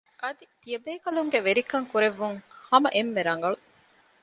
އަދި ތިޔަބޭކަލުންގެ ވެރިކަން ކުރެއްވުން ހަމަ އެންމެ ރަނގަޅު